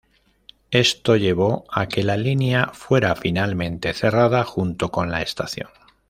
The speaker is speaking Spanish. Esto llevó a que la línea fuera finalmente cerrada, junto con la estación.